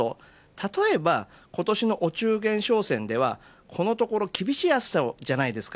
例えば、今年のお中元商戦ではこのところ厳しい暑さじゃないですか。